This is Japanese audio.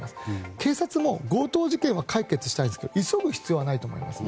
警察も強盗事件は解決したいんですけど急ぐ必要はないと思うんですね。